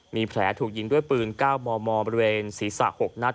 มีแผลถูกยิงด้วยปืน๙มมบริเวณศีรษะ๖นัด